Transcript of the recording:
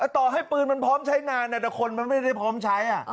ต่อให้ปืนมันพร้อมใช้งานแต่คนมันไม่ได้พร้อมใช้